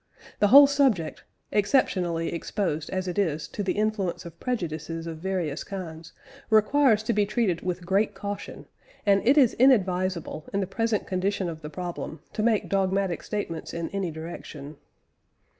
The whole subject, exceptionally exposed as it is to the influence of prejudices of various kinds, requires to be treated with great caution, and it is inadvisable, in the present condition of the problem, to make dogmatic statements in any direction.